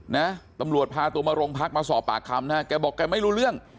นะตำรวจพาตัวมาโรงพักมาสอบปากคำนะฮะแกบอกแกไม่รู้เรื่อง